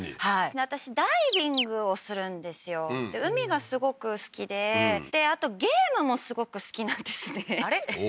はい私ダイビングをするんですよで海がすごく好きでであとゲームもすごく好きなんですねあれ？